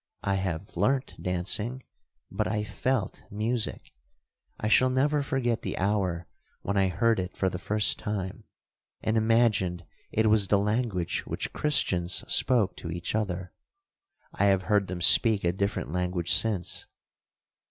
I have learnt dancing—but I felt music. I shall never forget the hour when I heard it for the first time, and imagined it was the language which Christians spoke to each other. I have heard them speak a different language since.'